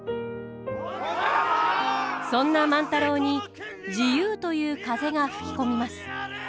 そんな万太郎に自由という風が吹き込みます。